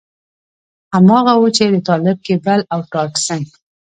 هماغه و چې د طالب کېبل او ډاټسن.